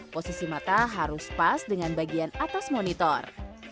posisi mata harus pas dengan bagian atas monitor